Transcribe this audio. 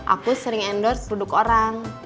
aku sering endorse duduk orang